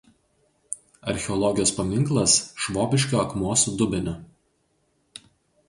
Archeologijos paminklas Švobiškio akmuo su „dubeniu“.